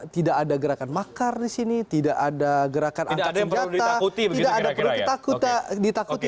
tidak ada gerakan makar di sini tidak ada gerakan angkat senjata tidak ada perlu ditakutkan